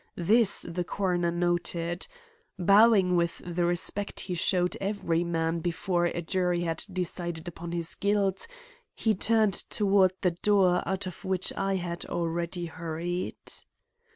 This the coroner noted. Bowing with the respect he showed every man before a jury had decided upon his guilt, he turned toward the door out of which I had already hurried.